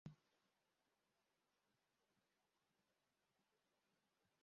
Ni taifa kubwa kuliko yote katika Afrika ya mashariki